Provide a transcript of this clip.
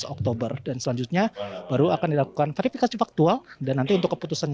dua belas oktober dan selanjutnya baru akan dilakukan verifikasi faktual dan nanti untuk keputusan